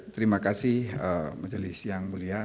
terima kasih majelis yang mulia